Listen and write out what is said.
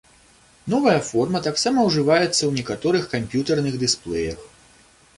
Новая форма таксама ўжываецца ў некаторых камп'ютарных дысплеях.